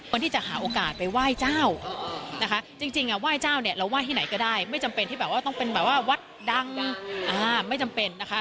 คนที่จะหาโอกาสไปไหว้เจ้านะคะจริงไหว้เจ้าเนี่ยเราไห้ที่ไหนก็ได้ไม่จำเป็นที่แบบว่าต้องเป็นแบบว่าวัดดังไม่จำเป็นนะคะ